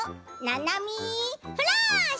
「ななみフラッシュ！」。